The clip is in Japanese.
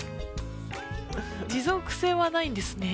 持続性はないんですね。